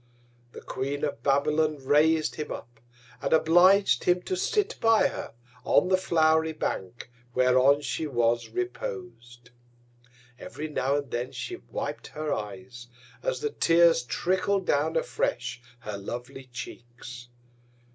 The Queen of Babylon rais'd him up, and oblig'd him to sit by her on the flow'ry Bank whereon she was repos'd. Every now and then she wip'd her Eyes, as the Tears trickl'd down afresh her lovely Cheeks.